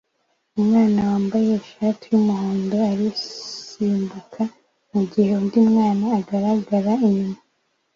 Umwana wambaye ishati yumuhondo arasimbuka mugihe undi mwana agaragara inyuma